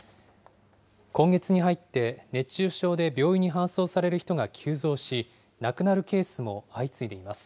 今月に入って熱中症で病院に搬送される人が急増し、亡くなるケースも相次いでいます。